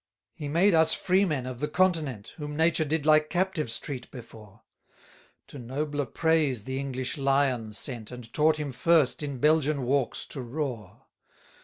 29 He made us freemen of the Continent, Whom Nature did like captives treat before; To nobler preys the English lion sent, And taught him first in Belgian walks to roar.